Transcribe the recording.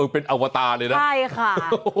เป็นอวตาเลยนะใช่ค่ะ